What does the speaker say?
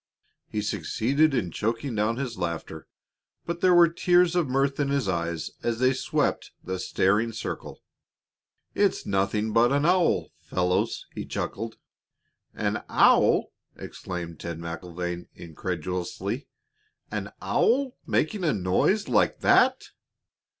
He succeeded in choking down his laughter, but there were tears of mirth in his eyes as they swept the staring circle. "It's nothing but an owl, fellows," he chuckled. "An owl!" exclaimed Ted MacIlvaine, incredulously. "An owl making a noise like that!"